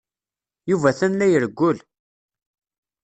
Yuba atan la irewwel.